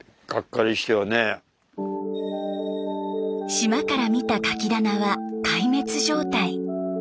島から見たカキ棚は壊滅状態。